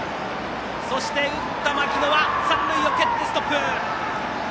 そして、打った牧野は三塁でストップ。